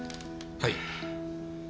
はい。